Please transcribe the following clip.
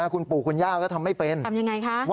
คุณปู่คุณย่าก็ทำไม่เป็นทำยังไงคะ